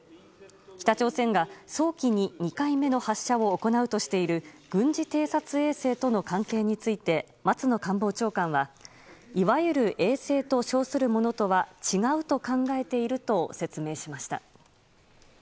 北朝鮮が早期に２回目の発射を行うとしている軍事偵察衛星との関係について松野官房長官はいわゆる衛星と称するものとは違うと考えていると説明しました。